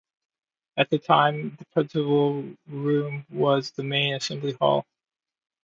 At that time the principal room was the main assembly hall.